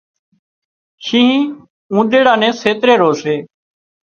شينهن اُونۮيڙا نين سيتري رو سي